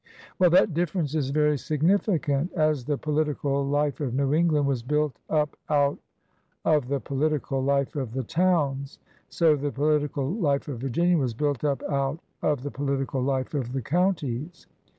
"Well, that difference is very significant. As the po litical life of New England was built up out of the political life of the towns, so the political life of Virginia was built up out of the political life of the counties.